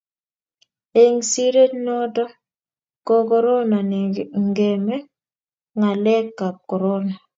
eng siret noto ko korona ne ngeme ngalek ab korona